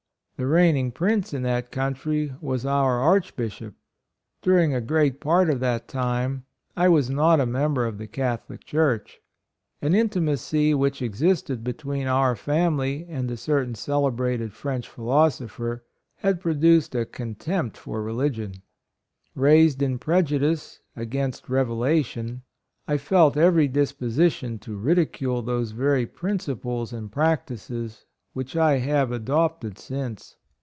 The reigning Prince in that country was our Archbishop. During a great part of that time, I was not a member of the Catholic Church. An inti macy which existed between our family and a certain celebrated French philosopher, had produced a contempt for religion. Raised in prejudice against Revelation, I felt every disposition to ridicule those very principles and practices which I have adopted since.